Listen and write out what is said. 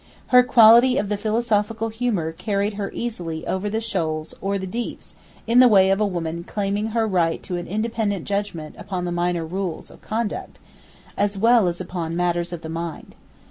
Her quality of the philosophical humour carried her easily over the shoals or the deeps in the way of a woman claiming her right to an independent judgement upon the minor rules of conduct, as well as upon matters of the mind.